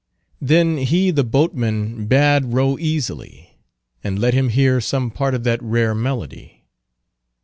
"Then he the boteman bad row easily, And let him heare some part of that rare melody."